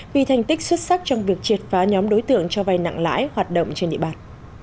vì thành tích xuất sắc trong việc triệt phá nhóm đối tượng cho vay nặng lãi hoạt động trên địa bàn